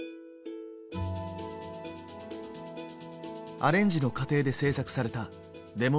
アレンジの過程で制作されたデモ音源。